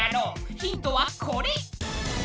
ヒントはこれ！